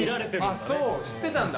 あそう知ってたんだ。